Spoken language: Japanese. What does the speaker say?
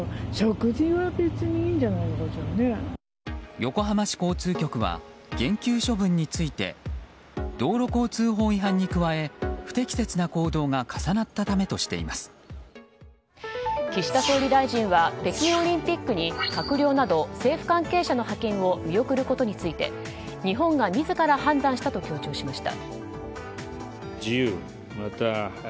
横浜市交通局は減給処分について道路交通法違反に加え不適切な行動が岸田総理大臣は北京オリンピックに閣僚など政府関係者の派遣を見送ることについて、日本が自ら判断したと強調しました。